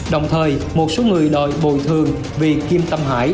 đồng thời một số người đòi bồi thường vì kim tâm hải